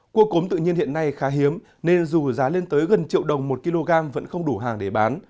cua cốm tự nhiên hiện nay khá hiếm nên dù giá lên tới gần triệu đồng một kg vẫn không đủ hàng để bán